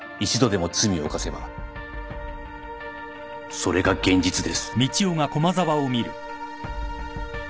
それが現実です。